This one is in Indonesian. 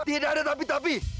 tidak ada tapi tapi